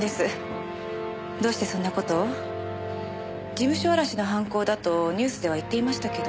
事務所荒らしの犯行だとニュースでは言っていましたけど。